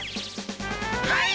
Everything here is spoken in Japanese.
はい！